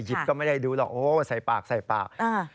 หยิบก็ไม่ได้ดูหรอกโอ๊ยใส่ปาก